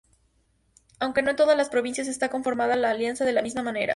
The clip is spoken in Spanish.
Aunque no en todas las provincias esta conformada la alianza de la misma manera.